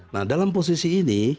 nah dalam posisi ini